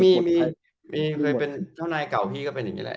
ไม่เคยเป็นเจ้านายเก่าพี่ก็เป็นเคยแบบนี้แหละ